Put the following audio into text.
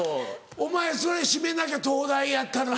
お前それ締めなきゃ東大やったのに。